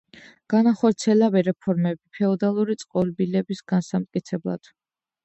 განახორციელა რეფორმები ფეოდალური წყობილების განსამტკიცებლად.